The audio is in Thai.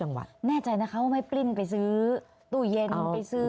แน่ใจนะคะว่าไม่ปลิ้นไปซื้อตู้เย็นไปซื้อ